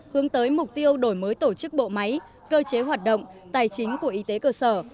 hướng tới mục tiêu đổi mới tổ chức bộ máy cơ chế hoạt động tài chính của y tế cơ sở